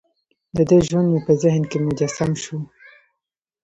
دده ژوند مې په ذهن کې مجسم شو.